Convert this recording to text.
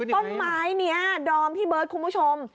ต้นไม้นี้ดอมพี่เบิร์ดคุณผู้ชม